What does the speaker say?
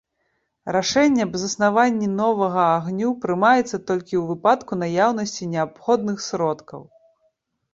Рашэнне аб заснаванні новага агню прымаецца толькі ў выпадку наяўнасці неабходных сродкаў.